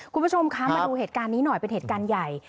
คุณผู้ชมคะมาดูเหตุการณ์นี้หน่อยเป็นเหตุการณ์ใหญ่